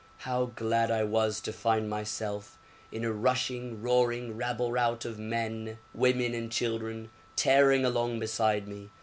How glad I was to find myself in a rushing, roaring, rabble rout of men, women, and children tearing along beside me!